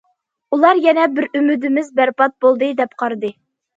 ئۇلار يەنە بىر ئۈمىدىمىز بەربات بولدى دەپ قارىدى.